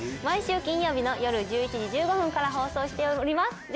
毎週金曜日のよる１１時１５分から放送しております。